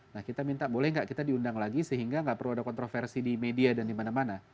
nah kita minta boleh tidak kita diundang lagi sehingga tidak perlu ada kontroversi di media dan dimana mana